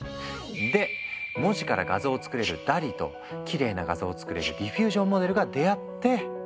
で文字から画像を作れるＤＡＬＬ・Ｅときれいな画像を作れるディフュージョンモデルが出会って。